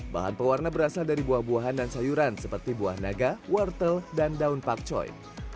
bahan pewarna berasal dari buah buahan dan sayuran seperti buah naga wortel dan daun pakcoy